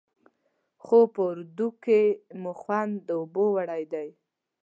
خو په اردو کې مو خوند اوبو وړی دی.